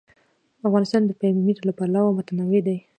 افغانستان د پامیر له پلوه متنوع دی.